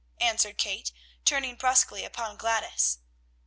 answered Kate, turning brusquely upon Gladys.